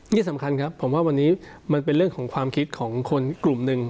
ที่สำคัญครับผมว่าวันนี้มันเป็นเรื่องของความคิดของคนกลุ่มหนึ่ง